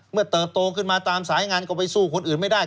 เติบโตขึ้นมาตามสายงานก็ไปสู้คนอื่นไม่ได้